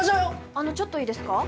あのちょっといいですか？